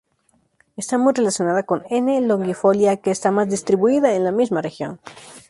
Está muy relacionada con "N. longifolia", que está más distribuida en la misma región.